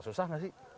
susah gak sih